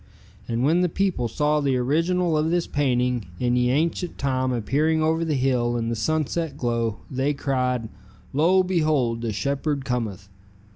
And when the people saw the original of this painting in ye ancient time appearing over the hill in the sunset glow, they cried: 'Lo, behold the shepherd cometh.'